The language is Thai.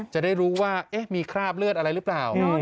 จะได้รู้ว่ามีคราบเลือดอะไรหรือเปล่า